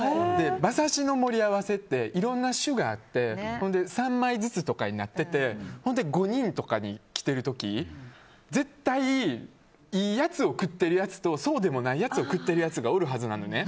馬刺しの盛り合わせっていろんな種があって３枚ずつとかになっていて５人とかで来てる時絶対、いいやつを食ってるやつとそうでもないやつを食っているやつがおるはずなんだよね。